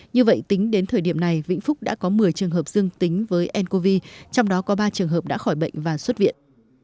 như vậy tính đến thời điểm này vĩnh phúc đã có một mươi trường hợp dương tính với ncov trong đó có ba trường hợp đã khỏi bệnh và xuất viện